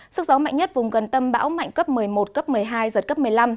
sức gió mạnh nhất vùng gần tâm bão mạnh cấp một mươi một cấp một mươi hai giật cấp một mươi năm